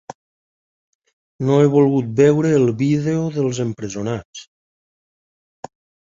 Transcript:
No he volgut veure el vídeo dels empresonats.